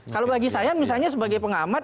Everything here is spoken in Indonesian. kalau bagi saya misalnya sebagai pengamat